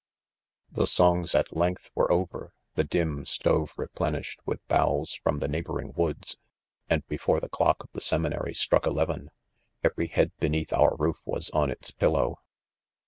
' The songs at length, were over, the dim stove replenished with boughs from the neigh boring woods, and before the clock of the seminary struck eleven, every head beneatli our roof was on its pillow.